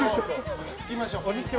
落ち着きましょう。